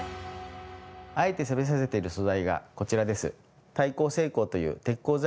あえてサビさせてる素材がこちらです。